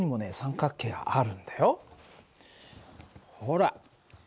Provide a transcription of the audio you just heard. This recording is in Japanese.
ほら。